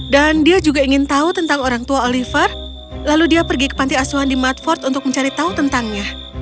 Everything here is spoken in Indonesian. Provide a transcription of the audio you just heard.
dan dia juga ingin tahu tentang orang tua oliver lalu dia pergi ke panti asuhan di mudford untuk mencari tahu tentangnya